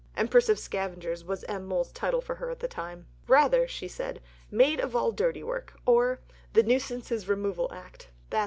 "Empress of Scavengers" was M. Mohl's title for her at this time. "Rather," she said, "Maid of all (dirty) work; or, The Nuisances Removal Act: that's me."